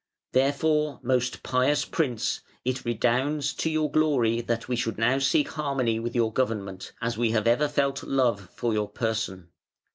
Therefore, most pious Prince, it redounds to your glory that we should now seek harmony with your government, as we have ever felt love for your person.